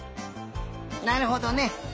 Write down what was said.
なるほどね！